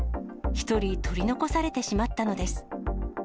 １人、取り残されてしまったのです。